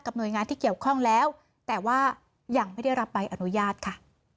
หน่วยงานที่เกี่ยวข้องแล้วแต่ว่ายังไม่ได้รับใบอนุญาตค่ะ